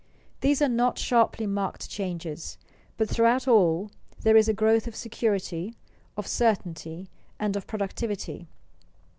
These are not sharply marked changes, but throughout all there is a growth of security, of certainty, and of productivity.